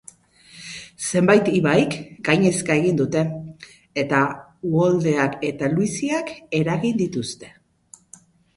Zenbait ibaik gainezka egin dute, eta uholdeak eta luiziak eragin dituzte.